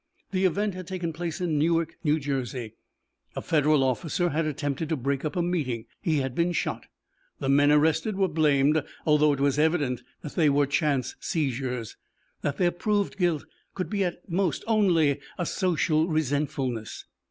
The event had taken place in Newark, New Jersey. A federal officer had attempted to break up a meeting. He had been shot. The men arrested were blamed, although it was evident that they were chance seizures, that their proved guilt could be at most only a social resentfulness.